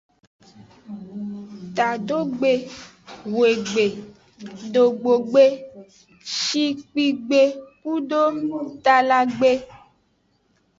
Tadogbe, hwegbe, dogbogbe, shikpigbe kudo talagbe.